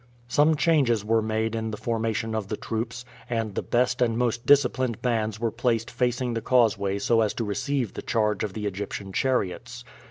Some changes were made in the formation of the troops, and the best and most disciplined bands were placed facing the causeway so as to receive the charge of the Egyptian chariots.